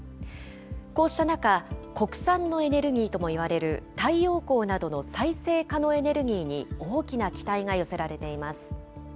こうした中、国産のエネルギーともいわれる太陽光などの再生可能エネルギーに大きな期待が寄せられています。